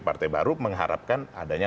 partai baru mengharapkan adanya